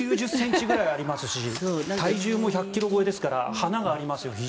１９０ｃｍくらいありますし体重も１００ｋｇ超えですから華がありますよ。